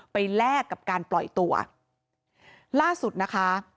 แลกกับการปล่อยตัวล่าสุดนะคะ